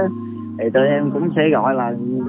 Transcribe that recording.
thì tụi em cũng sẽ gọi là